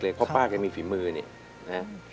เพราะป้าแกมีฝีมือเนี่ยนะ